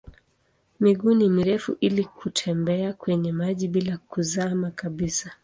Miguu ni mirefu ili kutembea kwenye maji bila kuzama kabisa.